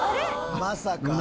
まさか。